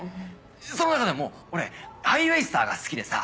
その中でも俺ハイウェイ・スターが好きでさ。